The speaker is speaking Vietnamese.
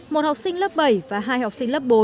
một học sinh lớp bảy và hai học sinh lớp bốn